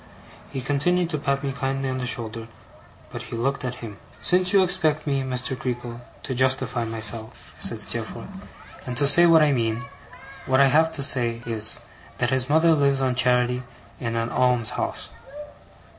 He continued to pat me kindly on the shoulder, but he looked at him. 'Since you expect me, Mr. Creakle, to justify myself,' said Steerforth, 'and to say what I mean, what I have to say is, that his mother lives on charity in an alms house.